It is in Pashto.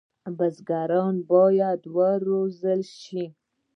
بزګران باید وروزل شي.